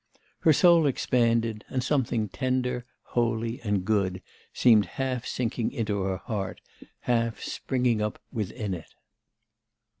Her soul expanded; and something tender, holy, and good seemed half sinking into her heart, half springing up within it.